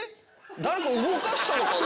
誰か動かしたのかな？